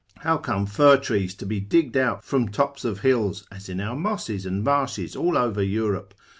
how come fir trees to be digged out from tops of hills, as in our mosses, and marshes all over Europe?